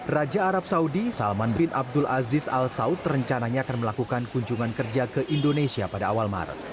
raja arab saudi salman bin abdul aziz al saud rencananya akan melakukan kunjungan kerja ke indonesia pada awal maret